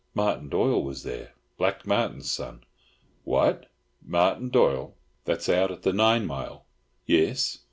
"Martin Doyle was there, Black Martin's son." "What! Martin Doyle that's out at the nine mile?" "Yis.